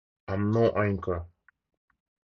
I'm no oinker.